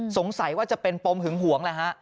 สงสัยว่าจะเป็นปมหึงหวงแหละฮะ